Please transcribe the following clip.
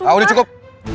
ah udah cukup